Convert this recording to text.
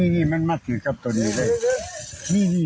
นี่มันมาถึงกับตัวนี้ไม่